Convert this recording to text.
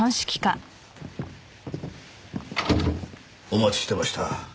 お待ちしてました。